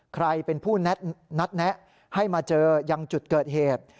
ใครเป็นผู้นัดแนะให้มาเจอยังจุดเกิดเหตุ